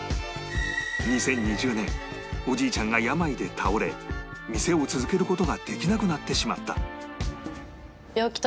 ２０２０年おじいちゃんが病で倒れ店を続ける事ができなくなってしまった